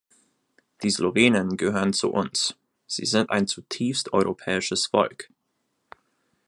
Die Slowenen gehören zu uns, sie sind ein zutiefst europäisches Volk.